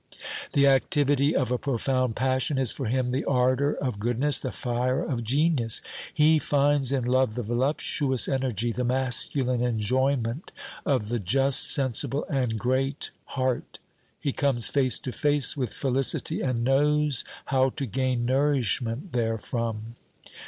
The activity of a profound passion is for him the ardour of goodness, the fire of genius ; he finds in love the voluptuous energy, the masculine enjoyment of the just, sensible, and great heart ; he comes face to face with felicity, and knows how to gain nourishment thereform.